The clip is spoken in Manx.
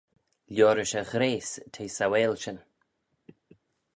Liorish e ghrayse t'eh sauail shin.